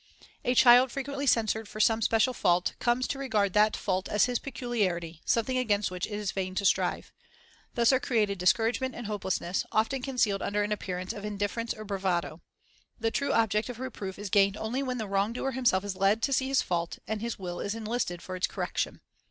A child frequently censured for some special fault, comes to regard that fault as his peculiarity, something against which it is vain to strive. Thus are created discouragement and hopelessness, often concealed under an appearance of indifference or bravado. The true object of reproof is gained only when the wrong doer himself is led to see his fault, and his will is enlisted for its correction.